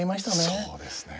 そうですね。